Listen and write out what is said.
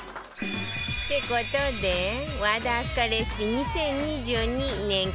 って事で和田明日香レシピ２０２２年間